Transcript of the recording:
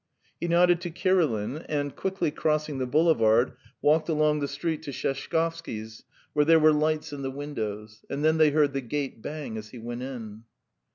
He nodded to Kirilin, and, quickly crossing the boulevard, walked along the street to Sheshkovsky's, where there were lights in the windows, and then they heard the gate bang as he went in.